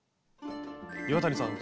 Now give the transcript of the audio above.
岩谷さん